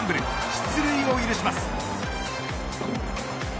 出塁を許します。